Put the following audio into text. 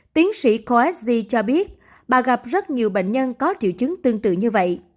tiến sĩ corsg cho biết bà gặp rất nhiều bệnh nhân có triệu chứng tương tự như vậy